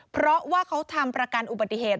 เพราะว่าเขาทำประกันอุบัติเหตุ